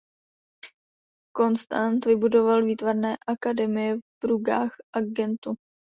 Constant vystudoval výtvarné akademie v Bruggách a Gentu.